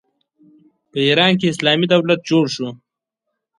په ایران کې اسلامي دولت جوړ شو.